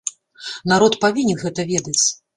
Народ павінен гэта ведаць.